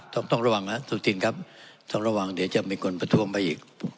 ต้องต้องระวังฮะสุธินครับต้องระวังเดี๋ยวจะมีคนประท้วงไปอีก